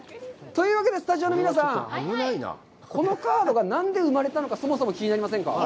というわけで、スタジオの皆さん、このカードが何で生まれたのか、そもそも気になりませんか？